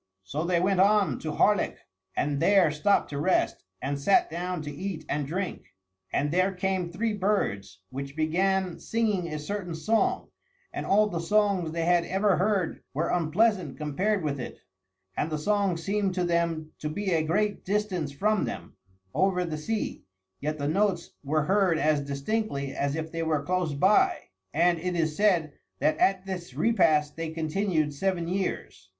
So they went on to Harlech and there stopped to rest, and sat down to eat and drink. And there came three birds, which began singing a certain song, and all the songs they had ever heard were unpleasant compared with it; and the songs seemed to them to be at a great distance from them, over the sea, yet the notes were heard as distinctly as if they were close by; and it is said that at this repast they continued seven years.